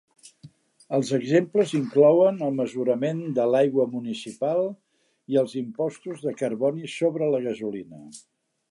Els exemples inclouen el mesurament de l'aigua municipal i els impostos de carboni sobre la gasolina.